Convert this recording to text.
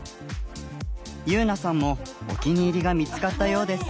結菜さんもお気に入りが見つかったようです。